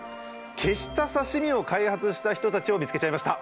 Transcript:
消した刺身を開発した人たちを見つけちゃいました。